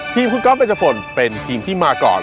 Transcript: ทีมคุณก๊อฟเบจพลเป็นทีมที่มาก่อน